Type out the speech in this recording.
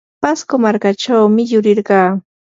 pasco markachawmi yurirqaa.